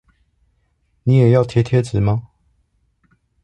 你也要貼貼紙嗎？